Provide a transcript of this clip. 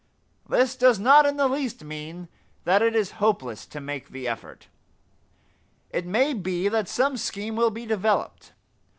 This does not in the least mean that it is hopeless to make the effort. It may be that some scheme will be developed.